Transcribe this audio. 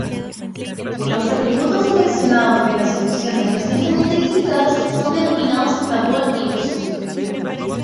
Los atributos seleccionados de las soluciones recientemente visitadas son denominados "tabú-activos.